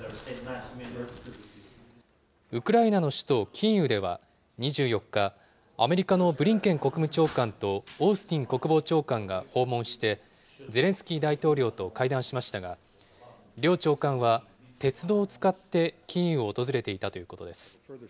ウクライナの首都キーウでは、２４日、アメリカのブリンケン国務長官とオースティン国防長官が訪問して、ゼレンスキー大統領と会談しましたが、両長官は、鉄道を使ってキーウを訪れていたということです。